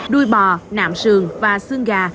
đuôi bò nạm sườn và xương gà